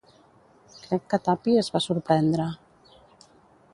Crec que Tuppy es va sorprendre.